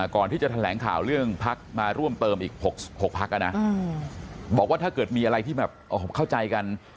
ก่อนที่จะแถลงข่าวเรื่องพักมาร่วมเติมอีก๖พักนะบอกว่าถ้าเกิดมีอะไรที่แบบเข้าใจกัน